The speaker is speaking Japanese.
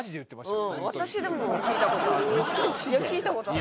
私でも聞いた事ある。